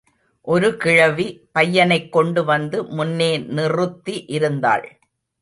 ஒரு கிழவி பையனைக் கொண்டு வந்து முன்னே நிறுத்தி இருந்தாள்.